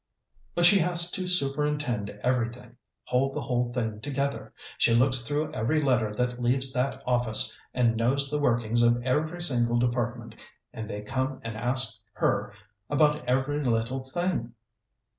But she has to superintend everything hold the whole thing together. She looks through every letter that leaves that office, and knows the workings of every single department, and they come and ask her about every little thing."